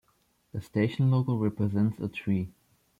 The station logo represents a tree.